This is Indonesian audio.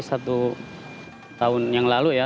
satu tahun yang lalu ya